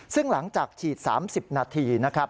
ซึ่งหลังจากฉีด๓๐นาที